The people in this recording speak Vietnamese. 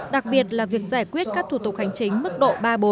đặc biệt là việc giải quyết các thủ tục hành chính mức độ ba bốn